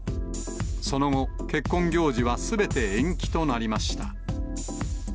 その後、結婚行事はすべて延期となりました。